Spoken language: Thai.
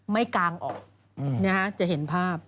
ไม่กางออกจะเห็นภาพ